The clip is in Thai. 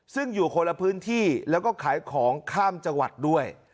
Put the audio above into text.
ซึ่งอยู่คนละพื้นที่แล้วก็ขายของข้ามจังหวัดด้วย